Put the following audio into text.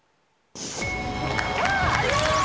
うわありがとう！